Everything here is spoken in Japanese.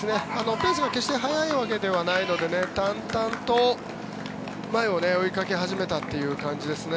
ペースは決して速いわけではないので淡々と前を追いかけ始めたという感じですね。